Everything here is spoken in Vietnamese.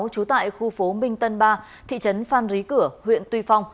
trú tại khu phố minh tân ba thị trấn phan rí cửa huyện tuy phong